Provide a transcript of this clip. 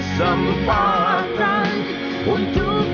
jafdi n datang tek